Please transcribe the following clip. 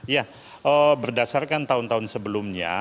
ya berdasarkan tahun tahun sebelumnya